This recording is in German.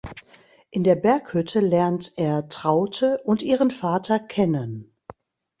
In der Berghütte lernt er Traute und ihren Vater kennen.